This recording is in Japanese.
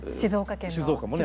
静岡県の。